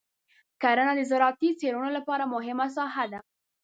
کرنه د زراعتي څېړنو لپاره مهمه ساحه ده.